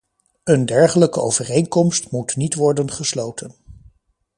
Een dergelijke overeenkomst moet niet worden gesloten.